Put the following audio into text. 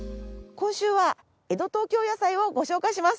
今週は江戸東京野菜をご紹介します。